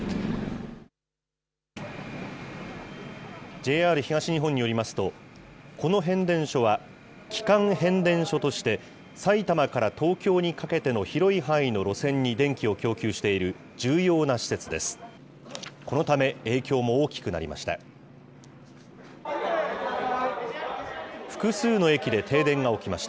ＪＲ東日本によりますと、この変電所は基幹変電所として、埼玉から東京にかけての広い範囲の路線に電気を供給している重要な施設です。